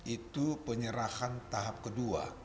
itu penyerahan tahap kedua